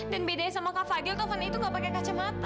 dan bedanya sama kak fadil taufan itu gak pakai kacamata tante